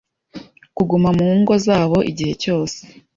kuguma mu ngo zabo igihe cyose,